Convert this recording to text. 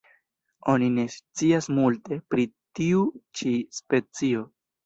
Oni ne scias multe pri tiu ĉi specio.